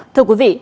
thưa quý vị